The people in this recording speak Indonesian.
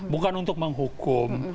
bukan untuk menghukum